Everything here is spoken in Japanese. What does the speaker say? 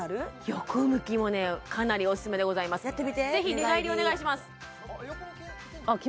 横向きもねかなりオススメでございますやってみて寝返りぜひ寝返りお願いします